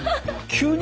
急に。